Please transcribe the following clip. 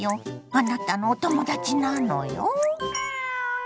あなたのお友達なのよ。